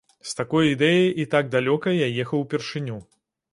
З такой ідэяй і так далёка я ехаў упершыню.